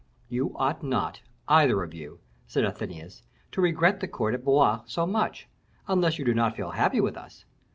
"You ought not, either of you," said Athenais, "to regret the court at Blois so much, unless you do not feel happy with us.